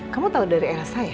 kamu tau dari elsa ya